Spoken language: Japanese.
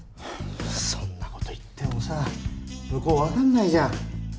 そんなこと言ってもさ向こうわかんないじゃん。